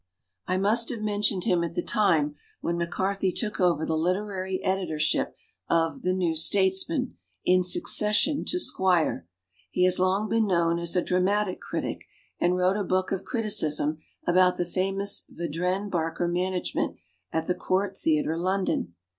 I must have mentioned him at the time when MacCarthy took over the literary edi torship of "The New Statesman" in succession to Squire. He has long been known as a dramatic critic, and wrote a book of criticism about the famous Vedrenne Barker management at the Court Theatre, London.